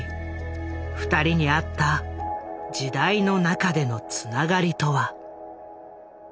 ２人にあった「時代の中でのつながり」とは？